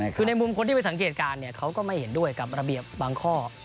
คือในมุมคนที่ไปสังเกตการณ์เขาก็ไม่เห็นด้วยกับระเบียบบางข้อ